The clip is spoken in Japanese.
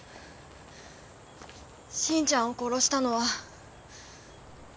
信ちゃんを殺したのは私です。